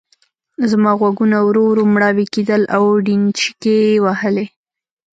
زما غوږونه ورو ورو مړاوي کېدل او ډينچکې وهلې.